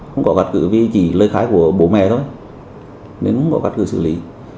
không có gạt cử vì chỉ lời khái của bố mẹ thôi nên không có gạt cử xử lý